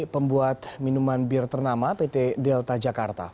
pembuat minuman bir ternama pt delta jakarta